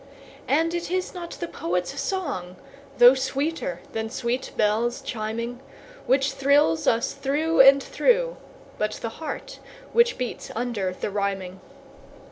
And it is not the poet's song, though sweeter than sweet bells chiming, Which thrills us through and through, but the heart which beats under the rhyming.